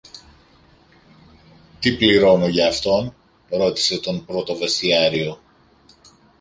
Τι πληρώνω γι' αυτόν; ρώτησε τον πρωτοβεστιάριο.